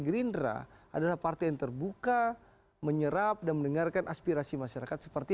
gerindra adalah partai yang terbuka menyerap dan mendengarkan aspirasi masyarakat seperti